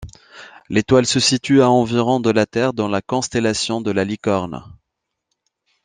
L'étoile se situe à environ de la Terre dans la constellation de la Licorne.